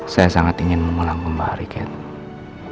saya sangat ingin memulang kembali ken